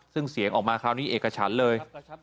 ซึ่งเสียงออกมาคราวนี้เอกฉันเลย